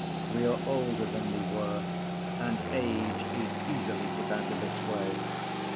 We are older than we were, and age is easily put out of its way.